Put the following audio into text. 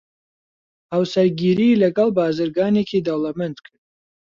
هاوسەرگیریی لەگەڵ بازرگانێکی دەوڵەمەند کرد.